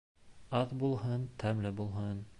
Аҙ булһын, тәмле булһын.